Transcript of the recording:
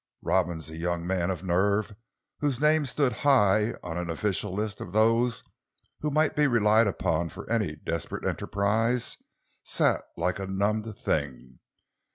Robins, a young man of nerve, whose name stood high on an official list of those who might be relied upon for any desperate enterprise, sat like a numbed thing.